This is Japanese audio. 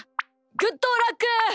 グッドラック！